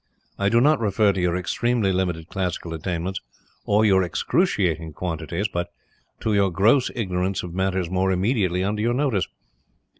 I do not refer to your extremely limited classical attainments, or your excruciating quantities, but to your gross ignorance of matters more immediately under your notice.